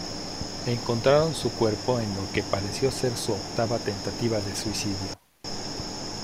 Encontraron su cuerpo en lo que pareció ser su octava tentativa de suicidio.